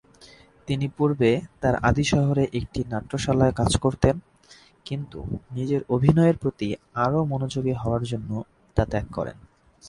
তিনি পূর্বে তার আদি শহরে একটি নাট্যশালায় কাজ করতেন, কিন্তু নিজের অভিনয়ের প্রতি আরো মনোযোগী হওয়ার জন্য তা ত্যাগ করেন।